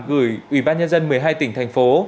gửi ủy ban nhân dân một mươi hai tỉnh thành phố